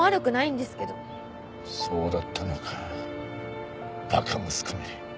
そうだったのか馬鹿息子め。